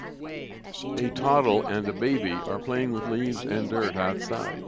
A toddle and a baby are playing with leaves and dirt outside